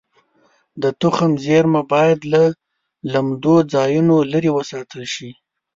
د تخم زېرمه باید له لمدو ځایونو لرې وساتل شي.